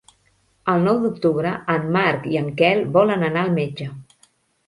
El nou d'octubre en Marc i en Quel volen anar al metge.